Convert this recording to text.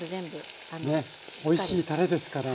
おいしいたれですからね。